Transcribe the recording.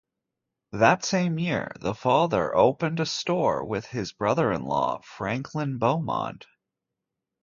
That same year the father opened a store with his brother-in-law, Franklin Beaumont.